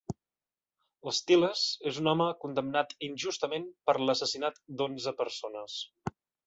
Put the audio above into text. L'Stiles és un home condemnat injustament per l'assassinat d'onze persones.